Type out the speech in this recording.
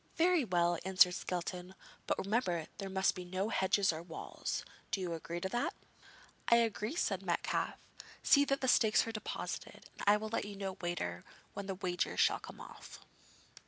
'Very well,' answered Skelton; 'but remember there must be no hedges or walls. Do you agree to that?' 'I agree,' said Metcalfe; 'see that the stakes are deposited, and I will let you know later where the wager shall come off.'